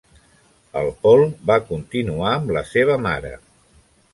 El Paul va continuar amb la seva mare.